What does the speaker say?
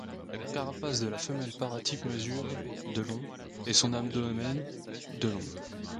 La carapace de la femelle paratype mesure de long et son abdomen de long.